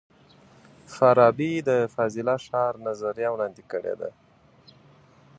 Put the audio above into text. فارابي د فاضله ښار نظریه وړاندې کړې ده.